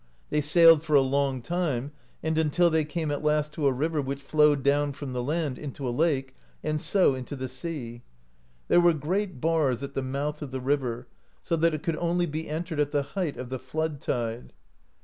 They sailed for a long time, and until they came at last to a river which flowed down from the land into a lake, and so into the sea. There were great bars at the mouth of the river, so that it could only be entered at the height of the flood tide.